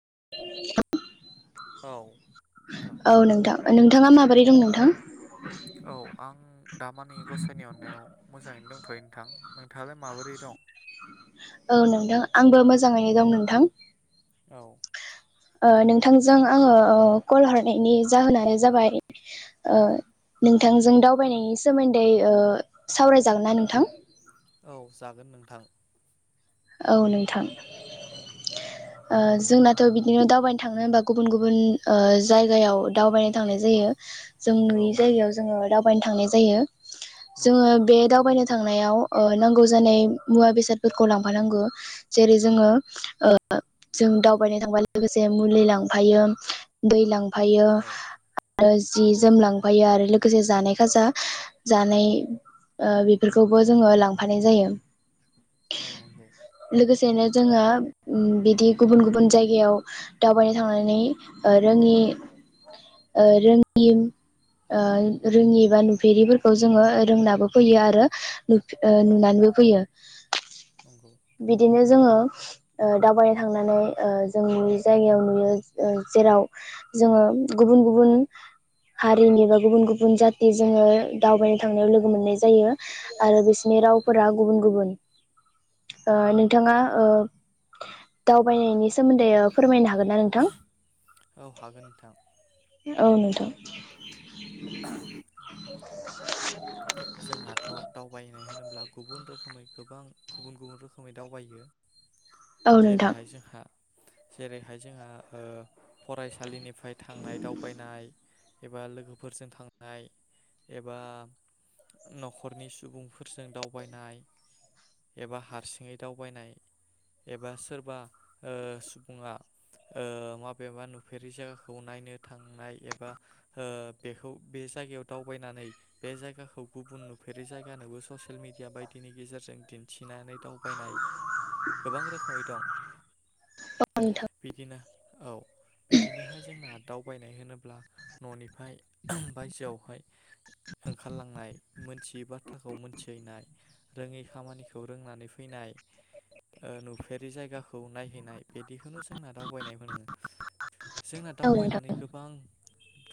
[inaudible] औ नोंथां औ नोंथां नोंथाङा माबोरै दं नोंथां औ आं दामानि गसाइनि अननायाव मोजाङैनो दंथ'यो नोंथां नोंथाङा लाय माबोरै दं औ नोंथां आंबो मोजांङैनो दं नोंथां औ ओ नोंथांजों आंयो कल हरनायनि जाहोनानो जाबाय ओ नोंथांजों दावबायनायनि सोमोन्दै ओ सावराय जागोन ना नोंथां औ जागोन नोंथां औ नोंथां ओ जोंनाथ बिदिनो दावबायनो थांनो होनबा गुबुन गुबुन ओ जायगायाव दावबायनो थांनाय जायो जों नुयै औ जायगायाव जोङो दाव बायनो थांनाय जायो नंगौ जोङो बे दावबायनो थांनायाव ओ नांगौ जानाय मुवा बेसादफोरखौ लांफानांगौ जेरै जोङो ओ जों दावबायनो थांब लोगोसे मुलि लांफायो दै लां फायो औ आरो जि जोम लांफायो आरो लोगोसे जानाय खाजा जानाय ओ बेफोरखौबो जोङो लांफानाय जायो औ नांगौ दिनो जोङो उम बिदि गुबुन गुबुन जायगायाव दावबायनो थांनानै ओ रोङि ओ रोङि ओ रोङि एबा नुफेरिफोरखौ जोङो रोंनाबो फैयो आरो औ नुफ-नुनानैबो फैयो नंगौ [inaudible] बिदिनो जोङो ओ दावबायनो थांनानै ओ जों नुयै जायगायाव नुयो ओ जेराव जोङो गुबुन गुबुन हारिनि बा गुबुन गुबुन जाति जोङो दावबायनो थांनायाव लोगो मोननाय जायो आरो बिसिनि औ रावफोरा गुबुन गुबुन ओ नोंथाङा ओ दावबायनायनि सोमोन्दै ओ फोरमायनो हागोन ना नोंथां? औ हागोन नोंथां औ नोंथां [inaudible] [inaudible] जोंहाथ' दावबायनाय होनोब्ला गुबुन रोखोमै गोबां गुबुन गुबुन रोखोमै दावबायो औ नोंथां जेरैहाय औ जोंहा जेरैहाय जोंहा ओ फरायसालिनि ओमफ्राय थांनाय दावबायनाय एबा लोगोफोरजों थांनाय एबा न'खरनि सुबुंफोरजों दावबायनाय एबा हारसिङै दावबायनाय एबा सोरबा सुबुङा माबेबा नुफेरि जायगाखौ नायनो थांनाय एबा बेखौ बे जायगायाव दावबायनानै बे जायगाखौ गुबुन नुफेरै जायगानोबो ससियेल मिडिया बायदिनि गेजेरजों दिन्थि इनानै दावबायनाय गोबां रोखोमै दं नोंथां बिदिनो औ बिदिनोहाय जोंना दावबायनाय होनोब्ला न'निफ्राय बायजोआवहाय ओंखारलांनाय मोनथियै बाथ्राखौ मोनथिहैनाय रोङै खामानिखौ रोंनानै फैनाय ओ नुफेरि जायगाखौ नायहैनाय बिदिखौनो जोंना दावबायनाय होनो जोंना औ नोंथां दावबायनानै गोबां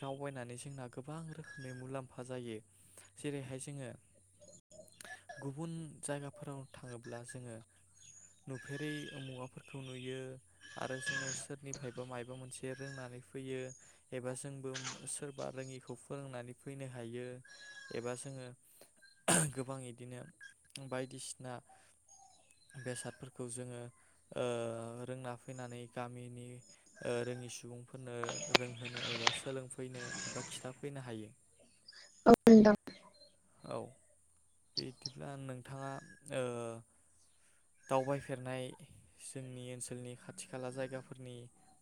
दावबायनानै जोंना गोबां रोखोमै मुलाम्फा जायो जेरैहाय जोङो गुबुन जायगाफोराव थाङोब्ला जोङो नुफेरै उ मुवाफोरखौ नुयो आरो जोङो सोरनिफ्राय बो मायाबा मोनसे रोंनानै फैयो एबा जोंबो सोरबा रोङिखौ फोरोंनानै फैनो हायो एबा जोङो गोबां इदिनो बायदिसिना बेसादफोरखौ जोङो ओ रोंना फैनानै गामिनि ओ रोङि सुबुंफोरनो रोंहोनो एबा सोलोंफैनो एबा खिन्थाफैनो हायो औ दां औ बिदिब्ला नोंथाङा ओ दावबायफेरनाय जोंनि ओनसोलनि खाथि खाला जायगाफोरनि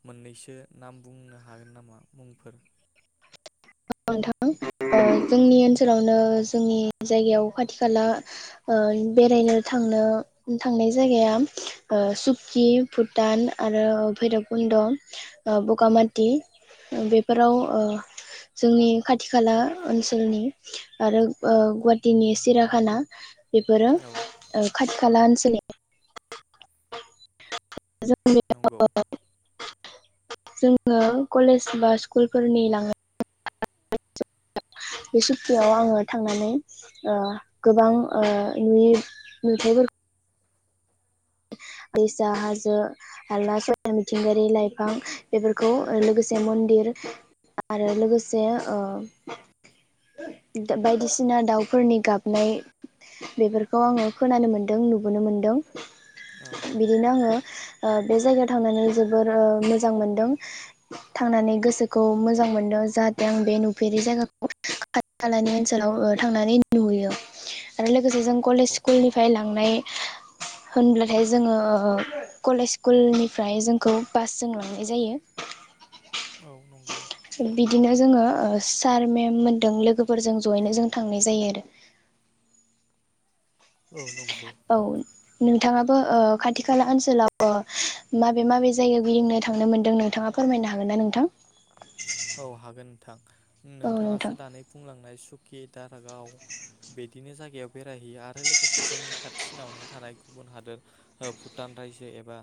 मोननैसो नाम बुंनो हागोन नामा मुंफोर औ जोंनि औ ओनसोलावनो जोंनि जायगायाव खाथि खाला ओ बेरायनो थांनो थांनाय जायगाया सुक्कि भुटान आरो भैरबकुन्द औ बगामाथि बेफोराव ओ जोंनि खाथि खाला ओनसोलनि आरो ओ गुवाहाटिनि सिराखाना बेफोरो औ ओं खाथि खाला ओनसोलनि [unintelligible] नंगौ जोङो कलेज बा स्कुलफोरनि लाङो [unintelligible] बे सुक्थियाव आङो थांनानै गोबां औ ओ नुयि नुथायफोर दैसा हाजो हाला समायना मिथिंगायारि लाइफां बेफोरखौ लोगोसे मन्दिर आरो लोगोसे ओ बायदिसिना दाउफोरनि गाबनाय बेफोरखौ आङो खोनानो मोनदों नुबोनो मोनदों औ नंगौ बिदिनो आङो ओ बे जायगायाव थांनानै जोबोर मोजां मोनदों थांनानै गोसोखौ मोजां मोनदों जाहाथे आं बे नुफेरि जायगाखौ खाथि खालानि ओनसोलाव थांनानै नुयो आरो लोगो जों कलेज औ स्कुलनिफ्राय लां नाय होनब्लाथाय जोङो कलेज स्कुलनिफ्राय जोंखौ बासजों लांनाय जायो औ नंगौ बिदिनो जोङो सार मेम मोनदों लोगोफोरजों जयैनो जों थांनाय जायो आरो औ नंगौ औ नोंथाङा बो ओ खाथि खाला ओनसोलाव माबे माबे जायगायाव गिदिंनो थांनो मोन्दों नोंथाङा फोरमायनो हागोन ना नोंथां औ हागोन नोंथां औ नोंथां नोंथाङासो दानै बुंलांनाय सुख कि दारगाव बिदिनो जायगायाव बेरायहैयो आरो लोगोसे जोंनि खाथिसिनावनो थानाय गुबुन हादोर ओ भुटान रायजो एबा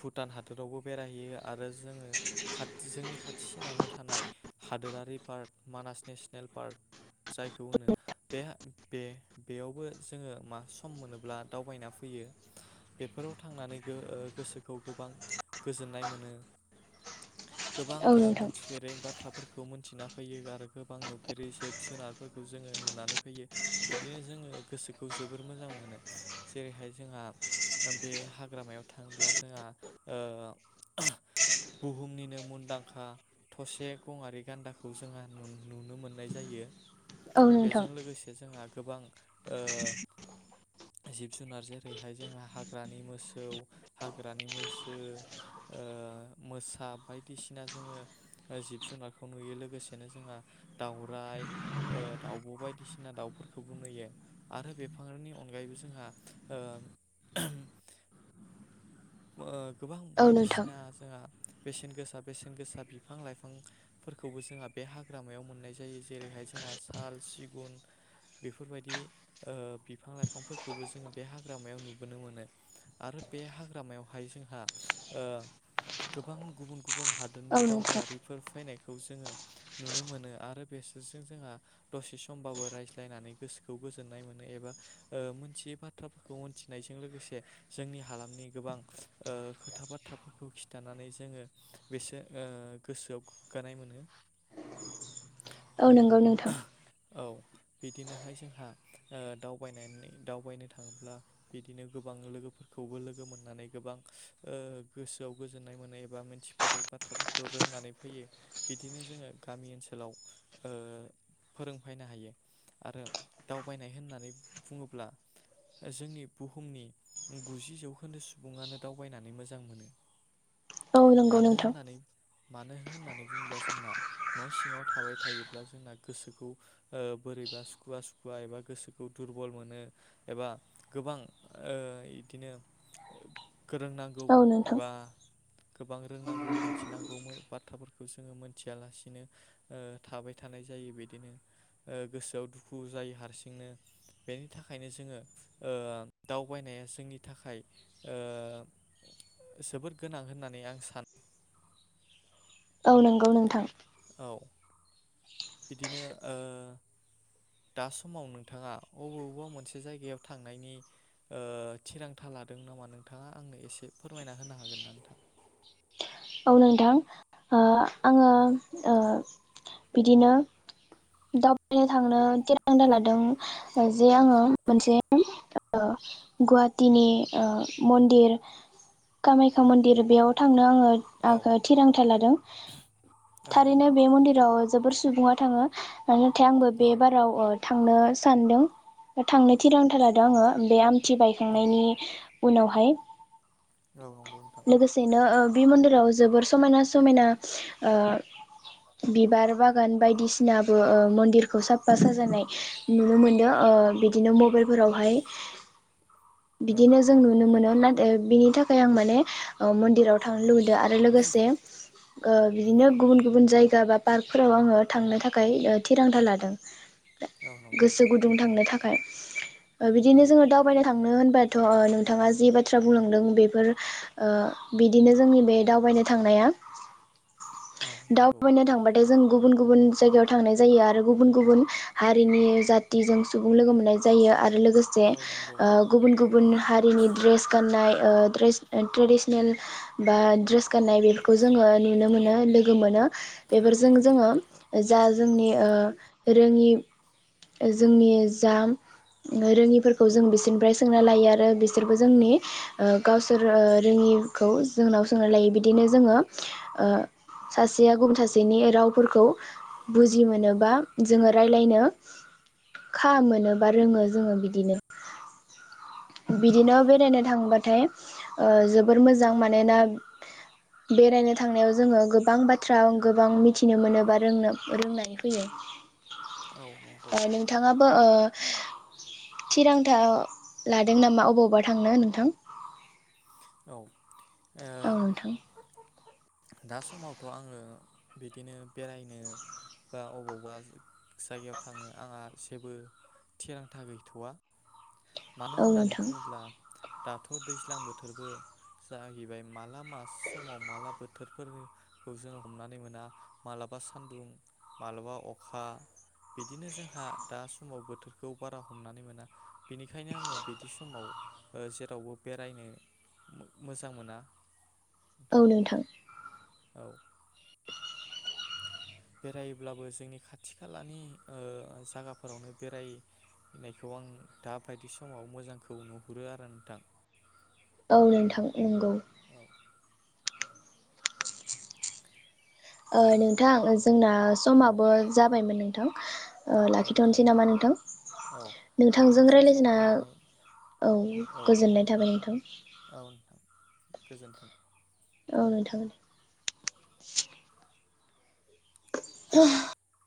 भुटान हादोरावबो बेरायहैयो आरो जोङो खाथि जोंनि खाथ थिनावनो थानाय हादोरारि पार्क मानास नेसनेल पार्क। जायखौ होनो बे बे बेयावबो जोङो मा सम मोनोब्ला दावबायना फैयो बेफोराव थांनानै गो- ओ गोसोखौ गोबां गोजोननाय मोनो। गोबां औ ओ नोंथां मोनथिफेरै बाथ्राफोर खौ मोनथिना फैयो आरो गोबां नुफेरै जिब जुनारफोरखौ जोङो नुनानै फैयो बिदिनो जोङो गोसोखौ जोबोर मोजां मोनो जेरैहाय जोंहा बे हाग्रामायाव थाङोब्ला जोंहा ओ बुहुमनिनो मुंदां खा थसे गंआरि गान्दाखौ जोंहा नु-नुनो मोननाय जायो। औ नोंथां बेजों लोगोसे जोंहा गोबां ओ जिब जुनार जेरैहाय जोंहा हाग्रानि मोसौ, हाग्रानि मैसो, मोसा बायदिसि ना जोङो ओ जिब जुनारखौ नुयो लोगोसेनो जोंहा दाउराइ ओ दाउब' बायदिसिना दाउफोरखौबो नुयो आरो बिफांनि अनगायैबो जोंहा ओ ओ गोबां औ नोंथां बायदिसिना जोंहा बेेसेन गोसा बेसेन गोसा बिफां लाइफांफोरखौबो जोंहा बे हाग्रामायाव मोननाय जायो जेरैहाय जोंहा साल, सिगुन बेफोरबायदि ओ बिफां लाइफांफोरखौबो जोङो बे हाग्रामायाव नुबोनो मोनो। आरो बे हाग्रामायावहाय जोंहा ओ गोबां गुबुन गुबुन औ हादोरनि नोंथां दावबायारिफोर फैनाय खौ जोङो नुनो मोनो आरो बेसोरजों जोंहा दसे समबाबो रायज्लायनानै गोसोखौ गोजोननाय मोनो एबा ओ मोनथियै बाथ्राफोरखौ मोनथिनायजों लोगोसे जोंनि हालामनि गोबां ओ खोथा बाथ्राफोरखौ खिन्थानानै जोङो बेसो ओ गोसोआव गोग्गानाय मोनो। औ बे नंगौ नोंथां। औ बिदिनोहाय जोंहा ओ दावबाय दावबायनो थाङोब्ला बिदिनो गोबां लोगोफोरखौबो लोगो मोननानै गोबां ओ गोसोआव गोजोननाय मोनो एबा मिन्थि बेेरै बाथ्राफोरखौ रोंनानै फैयो बिदिनो जोङो गामि ओनसोलाव ओ फोरोंफायनो हायो। आरो दावबायनाय होननानै बुङोब्ला जोंनि बुहुमनि गुजि जौखोन्दो सुबुङानो दावबायनानै मोजां मोनो। औ नंगौ मानो नोंथां। होननानै मानो होननानै बुङोब्ला जोंना न' सिङाव थाबाय थायोब्ला जोंना गोसोखौ ओ बोरैबा सुखुवा सुखुवा एबा गोसोखौ दुरबल मोनो एबा गोबां ओ इदिनो [unintelligible] रोंनांगौ औ नोंथां एबा गोबां रोंनांगौ मिथिनांगौ बाथ्राफोरखौ जोङो मोनथियालासिनो ओ थाबाय थानाय जायो बिदिनो ओ गोसोआव दुखु जायो हारसिंनो। बेनि थाखायनो जोङो ओ दावबायनाया जोंनि थाखाय ओ जोबोद गोनां होनना नै आं सान औ नंगौ नोंथां। औ, बिदिनो ओ दा समाव नोंथाङा अबावबा मोनसे जायगायाव थांनायनि ओ थिरांथा लादों नामा नोंथाङा आंनो एसे फोरमायना होनो हागोन ना नोंथां? औ नोंथां ओ आङो ओ बिदिनो दावबायनो थांनो थिरांथा लादों जे आङो मोनसे ओ गुवाहाटिनि ओ मन्दिर कामाख्या मन्दिर बेयाव थांनो आङो औ [unintelligible] थिरांथा लादों औ नंगौ थारैनो। बे मन्दिराव जोबोर सुबुङा थाङो नाथाय आंबो बे औ बाराव ओ थांनो सानदों, थांनो थिरांथा लादों आङो बे आम थि नंगौ बायखांनायनि उनावहाय औ नंगौ नोंथां। बि मन्दिर राव जोबोर समायना समायना ओ बिबार बागान बायदिसिनाबो ओ मन्दिर खौ साफा औ साजानाय नुनो मोनदों ओ बिदिनो मबाइल फोरावहाय औ बिदिनो जों नंगौ नुनो नोंथां मोनो नाथाय बि थाखाय आं माने ओ मन्दिराव थांनो लु दो आरो लोगोसे ओ बिदिनो गुबुन-गुबुन जायगा बा पार्कफोराव आङो थांनो थाखाय ओ थिरांथा लादों। औ नंगौ गोसो गुदुं थांनो थाखाय खाय ओ औ बिदिनो जोङो दावबायनो थांनो होन बाथ' नोंथाङा जि बाथ्रा बुंलांदों बेफोर ओ बिदिनो जोंनि बे दावबायनो थांनाया औ दाव नंगौ बायनो थांबाथाय जों गु गुबुन-गुबुन जायगायाव थांनाय जायो आरो गुबुन-गुबुन हारिनि जाथिजों सुबुं लोगो मोननाय जायो आरो लो गोसे औ नंगौ ओ गुबुन-गुबुन हारिनि ड्रेस गाननाय ओ ड्रेस ट्रेडिसनेल बा ड्रेस गाननाय बिसोरखौ जोंङो नुनो मोनो लोगो मोनो बेफोरजों जोंङो ओ जा जोंनि ओ रोंङि ओ जोंनि जा रोंङिफोरखौ जों बिसोरनिफ्राय सोंना लायो आरो बिस सोरबो जोंनि औ ओ गावसोर ओ रोङि खौ जोंनाव सोंनानै लायो बिदि बिदिनो जोङो ओ सासेया गुबुन सासेनि रावफोरखौ बुजि मोनो बा जोङो रायलायनो खा मोनो बा रोङो जोङो बिदिनो बिदिनो बेरायनो थांबाथाय ओ जोबोर मोजां मानोना बेरायनो थांनायाव जोङो गोबां बाथ्रा गोबां मिथिनो मोनो बा रोंनो रोंनानै फैयो। औ नंगौ ओ नोंथाङाबो ओ थिरांथा लादों नामा अबावबा थांनो नोंथां औ। औ नोंथां। दा समावथ' आङो बिदिनो बेरायनो बा अबावबा जायगायाव थांनो आंहा जेबो थिरांथा गैथ'वा। मानो औ होननानै नोंथां बुङोब्ला दाथ' दैज्लां बोथ बोथोरबो जाहैबाय माला मा समाव माला बोथोरफोरखौ जों हमनानै मोना मालाबा सान्दुं मालाबा अखा बिदिनो जोंहा दा समाव बोथोरखौ बारा हमनानै मोना। बिनिखायनो आङो बिदि समाव ओ जेरावबो बेरायनो मोजां मोना। औ नोंथां। औ। बेरायोब्लाबो जोंनि खाथि खालानि ओ जायगाफोरावनो बेराय नायखौ आं दाबायदि समाव मोजांखौ नुहुरो आरो नोंथां। औ नोंथां नंगौ। औ ओ नोंथां जोंना औ समाबो जाबायमोन नों नोंथां [inaudible] ओ औ नोंथां लाखिथ'नोसै नामा नोंथां औ नोंथांजों रायलाजना औ औ गोजोननाय थाबाय नोंथां। औ नोंथां गोजोन्थों। औ नोंथां दे [inaudible] [inaudible]